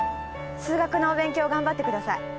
「数学のお勉強頑張ってください」